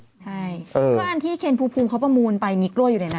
ใช่ก็อันที่เคนภูมิเขาประมูลไปมีกล้วยอยู่ในนั้น